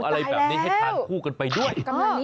อะไรแบบนี้ให้ทานคู่กันไปด้วย